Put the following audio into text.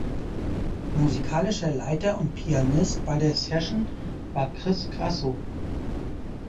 Musikalischer Leiter und Pianist bei der Session war Chris Grasso.